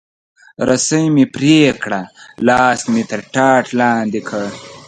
رسۍ مې پرې کړه، لاس مې تر ټاټ لاندې کړ.